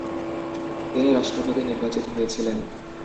তিনি রাষ্ট্রপতি নির্বাচিত হয়েছিলেন।